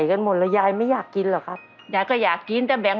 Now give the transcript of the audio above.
ลำบากมากไหมครับ